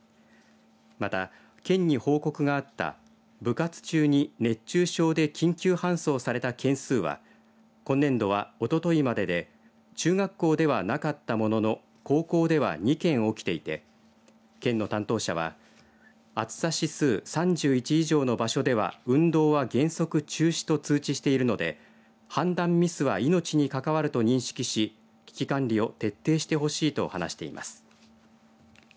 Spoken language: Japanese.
また、県に報告があった部活中に熱中症で緊急搬送された件数は今年度はおとといまでで中学校ではなかったものの高校では２件起きていて県の担当者は暑さ指数３１以上の場所では運動は原則中止と通知しているので判断ミスは命に関わると認識し危機管理を徹底してほしいと話しています。